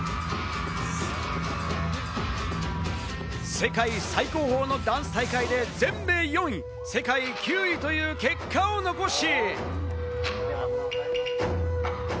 世界最高峰のダンス大会で全米４位、世界９位という結果を残し。